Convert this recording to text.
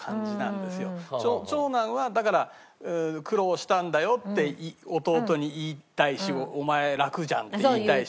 長男はだから「苦労したんだよ」って弟に言いたいし「お前楽じゃん」って言いたいし。